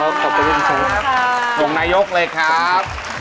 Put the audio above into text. ขอบคุณนายกเลยครับ